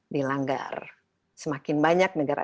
dilanggar semakin banyak negara